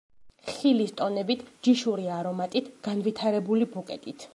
ხილის ტონებით, ჯიშური არომატით, განვითარებული ბუკეტით.